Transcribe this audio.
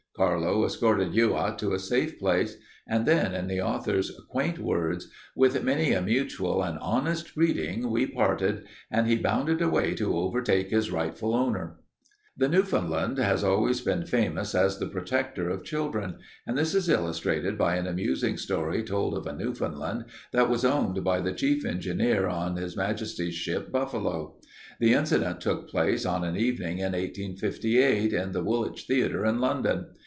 Carlo escorted Youatt to a safe place, and then, in the author's quaint words, 'with many a mutual and honest greeting we parted, and he bounded away to overtake his rightful owner.' "The Newfoundland has always been famous as the protector of children, and this is illustrated by an amusing story told of a Newfoundland that was owned by the chief engineer on H. M. S. Buffalo. The incident took place on an evening in 1858 at the Woolwich theater in London.